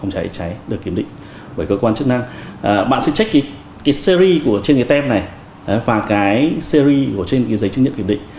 cái series trên cái tem này và cái series trên cái giấy chứng nhận kiểm định